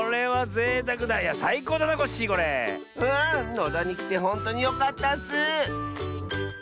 野田にきてほんとによかったッス！